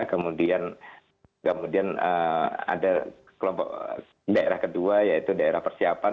kemudian ada kelompok daerah kedua yaitu daerah persiapan